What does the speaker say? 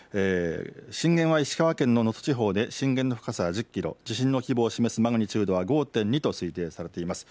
震源は石川県の能登地方で震源の深さは１０キロ、地震の規模を示すマグニチュードは５．２と推定されています。